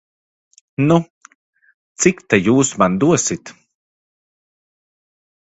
Nu, cik ta jūs man dosit?